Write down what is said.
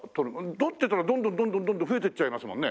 採ってたらどんどんどんどん増えていっちゃいますもんね。